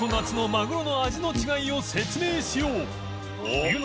マグロの味の違いを説明しよう稘澆了